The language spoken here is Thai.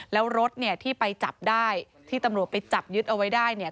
แล้วรถเนี่ยที่ไปจับได้ที่ตำรวจไปจับยึดเอาไว้ได้เนี่ย